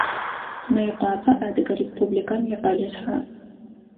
Мыекъуапэ Адыгэ Республикэм икъэлэ шъхьаӏ.